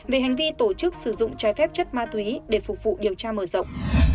về hành vi tổ chức sử dụng trái phép chất ma túy để phục vụ điều tra mở rộng